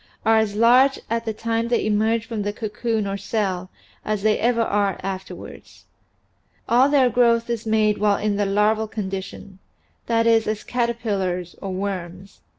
are as large at the time they emerge from the cocoon or cell as they ever are afterwards. All their growth is made while in the larval condition that is as caterpillars or " worms."